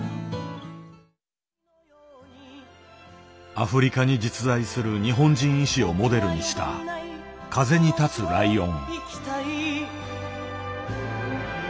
アフリカに実在する日本人医師をモデルにした「風に立つライオン」。